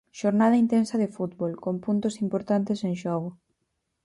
Xornada intensa de fútbol, con puntos importantes en xogo.